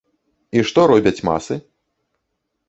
І што робяць масы?